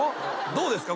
どうですか？